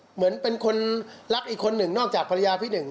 เหมือนเป็นคนรักอีกคนหนึ่งนอกจากภรรยาพี่หนึ่ง